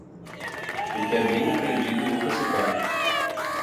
O que é bem aprendido nunca se perde.